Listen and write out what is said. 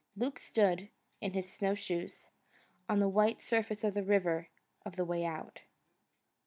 Luke stood, in his snowshoes, on the white surface of the River of the Way Out.